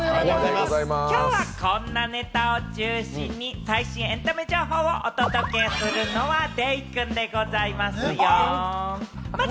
きょうはこんなネタを中心に最新エンタメ情報をお届けするのはデイくんでございますよ。